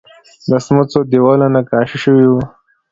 د سمڅو دیوالونه نقاشي شوي وو